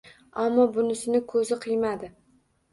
Ammo bunisini ko`zi qiymadi